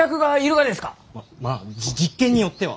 ままあ実験によっては。